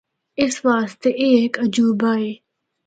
اسی واسطے اے ہک عجوبہ ہے۔